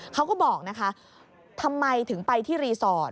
เขาก็บอกนะคะทำไมถึงไปที่รีสอร์ท